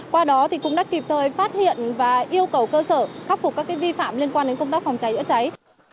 trong sáng ngày hôm nay đoàn kiểm tra liên ngành của ủy ban nhân dân quận cầu giấy